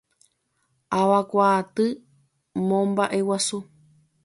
Avakuaaty momba'eguasu.